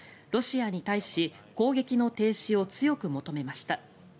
ロシアに対し攻撃の停止を強く求めました。